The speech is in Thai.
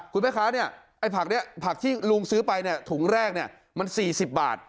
คุณแม่ค้าเนี่ยไอ้ผักนี้ผักที่ลุงซื้อไปเนี่ยถุงแรกเนี่ยมัน๔๐บาท